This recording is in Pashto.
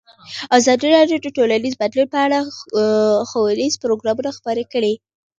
ازادي راډیو د ټولنیز بدلون په اړه ښوونیز پروګرامونه خپاره کړي.